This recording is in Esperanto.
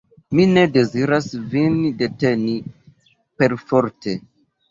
Mi ne deziras vin deteni perforte!